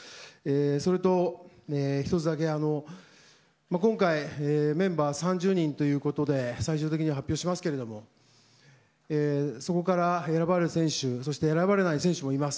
それと、１つだけ今回、メンバー３０人を最終的には発表しますけどそこから選ばれる選手そして選ばれない選手もいます。